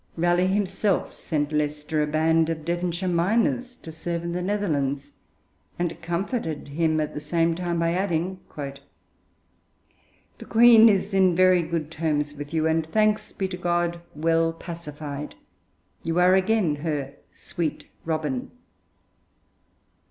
Raleigh himself sent Leicester a band of Devonshire miners to serve in the Netherlands, and comforted him at the same time by adding, 'The Queen is in very good terms with you, and, thanks be to God, well pacified. You are again her "Sweet Robin."'